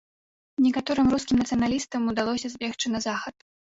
Некаторым рускім нацыяналістам удалося збегчы на захад.